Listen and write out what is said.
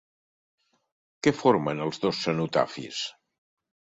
Què formen els dos cenotafis?